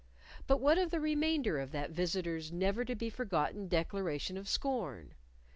But what of the remainder of that visitor's never to be forgotten declaration of scorn?